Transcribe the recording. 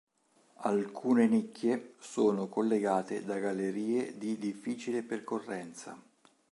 Alcune nicchie sono collegate da gallerie di difficile percorrenza.